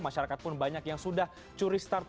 masyarakat pun banyak yang sudah curi start